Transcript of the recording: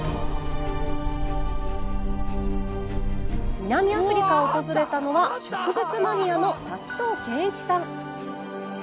南アフリカを訪れたのは植物マニアの滝藤賢一さん。